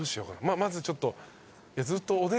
まずちょっと。